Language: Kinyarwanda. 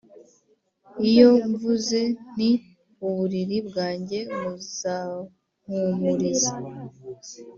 iyo mvuze nti ‘uburiri bwanjye buzampumuriza,